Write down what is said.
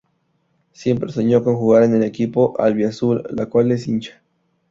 Siempre soñó con jugar en el equipo albiazul, del cual es hincha.